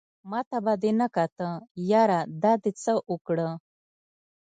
ماته به دې نه کاته ياره دا دې څه اوکړه